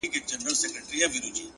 هر منزل د نوي سفر پیل وي